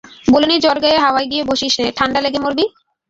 বলিনি জ্বরগায়ে হাওয়ায় গিয়ে বসিসনে, ঠাণ্ডা লেগে মরবি?